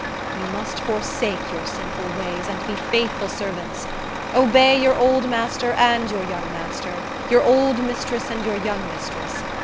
You must forsake your sinful ways, and be faithful servants. Obey your old master and your young master—your old mistress and your young mistress.